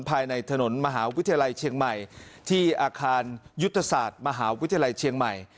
ภายในถนนมหาวิทยาลัยเชียงใหม่ที่อาคารยุทธศาสตร์มหาวิทยาลัยเชียงใหม่